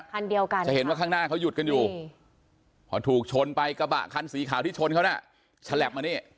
คันเดียวกันจะเห็นว่าข้างหน้าเขาหยุดกันอยู่พอถูกชนไปกระบะคันสีขาวที่ชนเขาน่ะฉลับมานี่